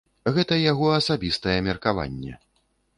Гэта яго асабістае меркаванне.